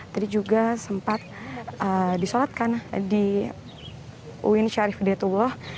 tadi juga sempat disolatkan di uin syarif hidayatullah